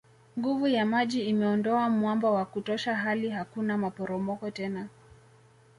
Nguvu ya maji imeondoa mwamba wa kutosha hali hakuna maporomoko tena